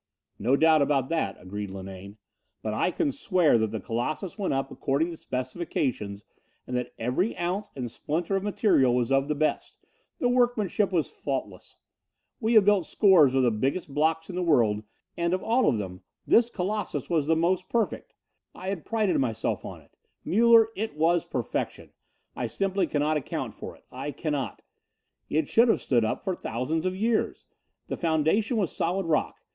"No doubt about that," agreed Linane, "but I can swear that the Colossus went up according to specifications and that every ounce and splinter of material was of the best. The workmanship was faultless. We have built scores of the biggest blocks in the world and of them all this Colossus was the most perfect. I had prided myself on it. Muller, it was perfection. I simply cannot account for it. I cannot. It should have stood up for thousands of years. The foundation was solid rock.